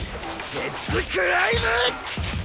「エッジクライム」！